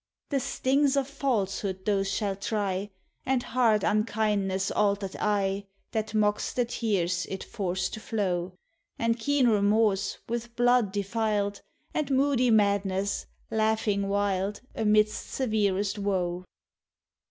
247 The Btings of falsehood those shall try, And hard unkindness' altered eye, That mocks the tears it forced to flow; And keen remorse, with blood defiled, And moody madness, laughing wild Amid severest woe.